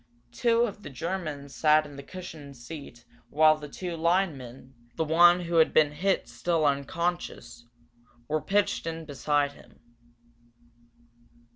Two of the Germans sat in the cushioned seat while the two linemen, the one who had been hit still unconscious, were pitched in beside him.